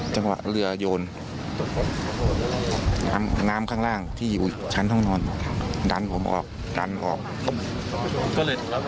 ก็เลยถึงรับพี่ไปกันนี่เป็นเหตุ